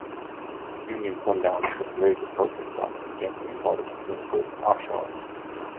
"Union Sundown" is a political protest song against imported consumer goods and offshoring.